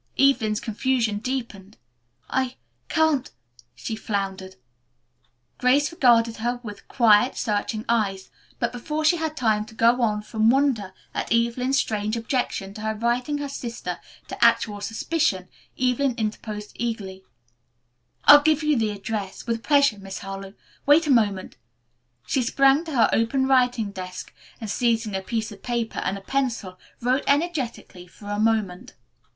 Evelyn's confusion deepened. "I can't " she floundered. Grace regarded her with quiet, searching eyes. But before she had time to go on from wonder at Evelyn's strange objection to her writing her sister to actual suspicion, Evelyn interposed eagerly, "I'll give you the address, with pleasure, Miss Harlowe. Wait a moment." She sprang to her open writing desk and seizing a piece of paper and a pencil wrote energetically for a moment.